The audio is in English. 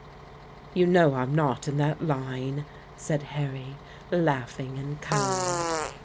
"You know I'm not in that line," said Harry, laughing and coloring.